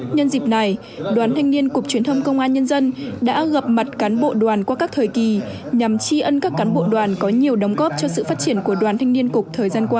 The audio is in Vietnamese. nhân dịp này đoàn thanh niên cục truyền thông công an nhân dân đã gặp mặt cán bộ đoàn qua các thời kỳ nhằm tri ân các cán bộ đoàn có nhiều đóng góp cho sự phát triển của đoàn thanh niên cục thời gian qua